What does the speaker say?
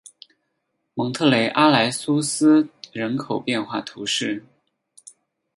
蒙特雷阿莱苏斯人口变化图示